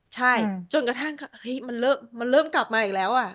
ใช่จนกระทั่งมันเริ่มกลับมาอีกแล้วอ่ะ